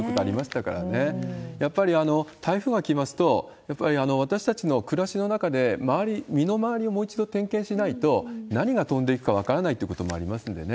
やっぱり台風が来ますと、やっぱり私たちの暮らしの中で、周り、身の回りをもう一度点検しないと、何が飛んでいくか分からないということもありますのでね。